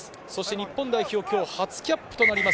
日本代表、今日初キャップとなります。